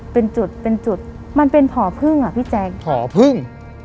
เป็นจุดเป็นจุดมันเป็นผ่อพึ่งอ่ะพี่แจ๊คผอพึ่ง